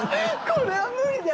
これは無理だ。